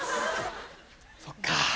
そっかあ。